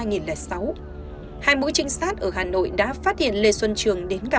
hai mũi trinh sát ở hà nội đã phát hiện lê xuân trường